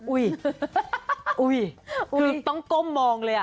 อุ้ยคือต้องก้มมองเลยอ่ะ